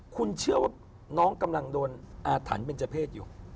คุณเชื่อว่าน้องกำลังโดนอาถรรพ์เป็นเจ้าเพศอยู่